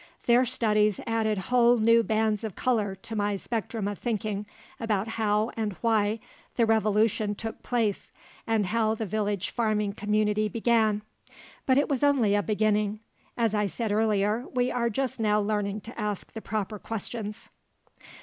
Their studies added whole new bands of color to my spectrum of thinking about how and why the revolution took place and how the village farming community began. But it was only a beginning; as I said earlier, we are just now learning to ask the proper questions.